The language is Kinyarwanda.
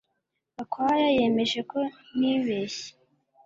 Gakwaya yemeje ko nibeshye